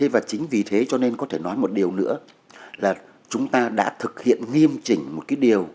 và chính vì thế cho nên có thể nói một điều nữa là chúng ta đã thực hiện nghiêm chỉnh một cái điều